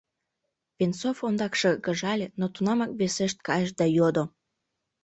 Венцов ондак шыргыжале, но тунамак весешт кайыш да йодо: